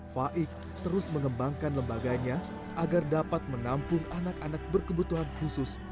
faik terus mengembangkan lembaganya agar dapat menampung anak anak berkebutuhan khusus